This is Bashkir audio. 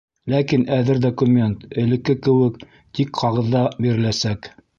Ләкин әҙер документ, элекке кеүек, тик ҡағыҙҙа биреләсәк.